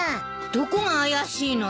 どこが怪しいのよ。